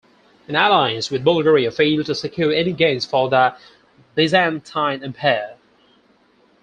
An alliance with Bulgaria failed to secure any gains for the Byzantine empire.